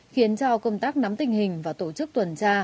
khiến cho công tác nắm tình hình và tổ chức tuần tra